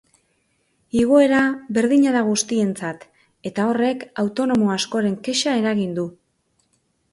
Igoera berdina da guztientzat eta horrek autonomo askoren kexa eragin du.